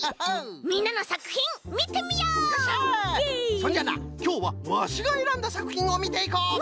そんじゃあなきょうはワシがえらんださくひんをみていこう。